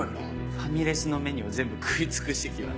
ファミレスのメニューを全部食い尽くしてきます。